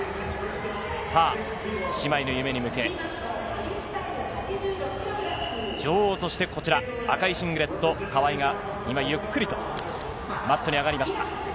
姉妹の夢に向け、女王として赤いシングレット、川井が今、ゆっくりとマットに上がりました。